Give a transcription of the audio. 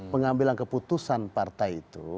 pengambilan keputusan partai itu